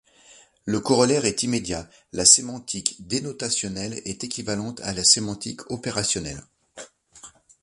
Le corollaire est immédiat : la sémantique dénotationnelle est équivalente à la sémantique opérationnelle.